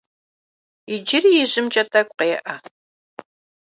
Иджыри ижьымкӏэ тӏэкӏу къеӏэ.